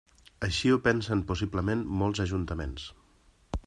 Així ho pensen possiblement molts ajuntaments.